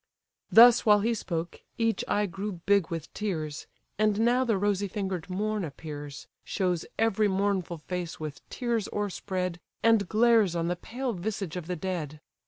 Thus while he spoke, each eye grew big with tears: And now the rosy finger'd morn appears, Shows every mournful face with tears o'erspread, And glares on the pale visage of the dead.